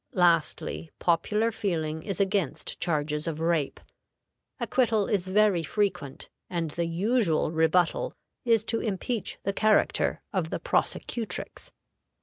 Lastly, popular feeling is against charges of rape: acquittal is very frequent, and the usual rebuttal is to impeach the character of the prosecutrix.